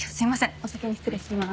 お先に失礼しまーす。